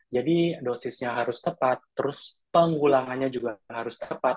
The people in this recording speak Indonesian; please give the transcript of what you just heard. jadi dosisnya harus tepat terus penggulangannya juga harus tepat